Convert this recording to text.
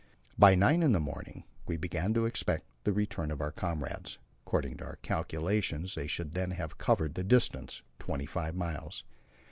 By nine in the morning we began to expect the return of our comrades; according to our calculation they should then have covered the distance twenty five miles.